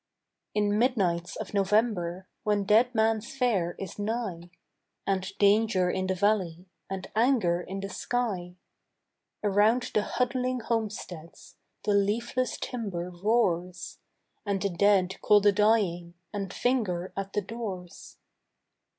XIX. In midnights of November, When Dead Man's Fair is nigh, And danger in the valley, And anger in the sky, Around the huddling homesteads The leafless timber roars, And the dead call the dying And finger at the doors.